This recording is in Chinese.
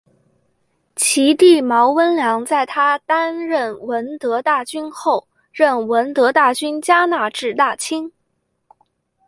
其弟毛温良在她担任闻得大君后任闻得大君加那志大亲职。